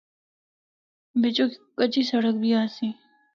بِچّو کچی سڑک بھی آسی۔